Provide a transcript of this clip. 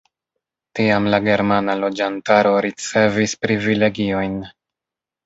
Tiam la germana loĝantaro ricevis privilegiojn.